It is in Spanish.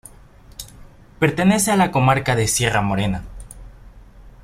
Pertenece a la comarca de Sierra Morena.